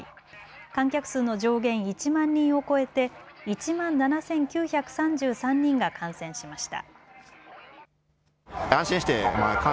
観客数の上限１万人を超えて１万７９３３人が観戦しました。